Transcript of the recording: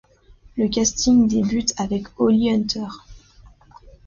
Le casting débute en avec Holly Hunter.